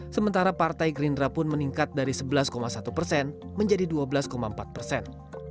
sementara partai gerindra pun meningkat dari sebelas satu persen menjadi dua belas empat persen